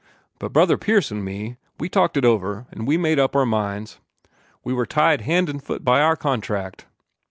But Brother Pierce an' me, we talked it over, an' we made up our minds we were tied hand an' foot by our contract.